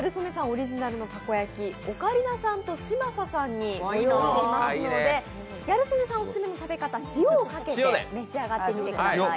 オリジナルのたこ焼き、オカリナさんと嶋佐さんに用意していますのでギャル曽根さんオススメの食べ方、塩をかけて召し上がってみてください。